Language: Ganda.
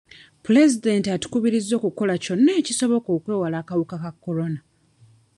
Pulezidenti atukubiriza okukola kyonna ekisoboka okwewala akawuka ka Corona.